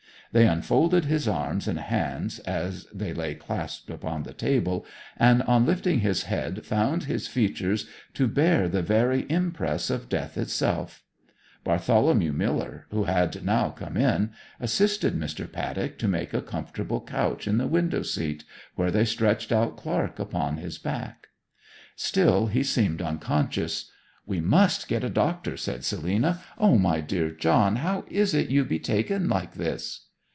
They unfolded his arms and hands as they lay clasped upon the table, and on lifting his head found his features to bear the very impress of death itself. Bartholomew Miller, who had now come in, assisted Mr. Paddock to make a comfortable couch in the window seat, where they stretched out Clark upon his back. Still he seemed unconscious. 'We must get a doctor,' said Selina. 'O, my dear John, how is it you be taken like this?'